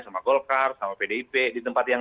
sama golkar sama pdip di tempat yang